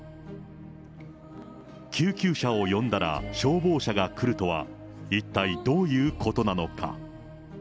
救急車を呼んだら消防車が来るとは、一体どういうことなのか。